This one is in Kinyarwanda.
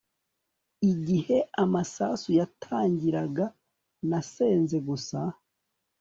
Igihe amasasu yatangiraga nasenze gusa